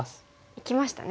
生きましたね。